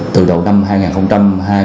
từ đầu năm hai nghìn mình cũng không nhớ rõ